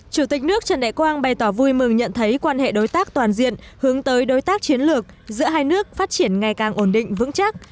chủ tịch nước trần đại quang bày tỏ vui mừng nhận thấy quan hệ đối tác toàn diện hướng tới đối tác chiến lược giữa hai nước phát triển ngày càng ổn định vững chắc